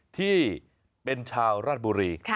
ที่เป็นชาวราชบุรี